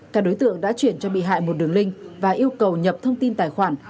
các đối tượng đã chuyển cho bị hại một đường link và yêu cầu nhập thông tin tài khoản